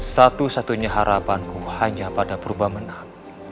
satu satunya harapanku hanya pada purba menang